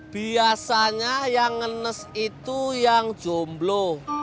biasanya yang ngenes itu yang jomblo